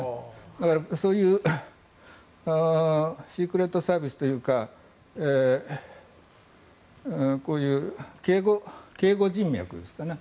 だから、そういうシークレットサービスというかこういう警護人脈ですかね。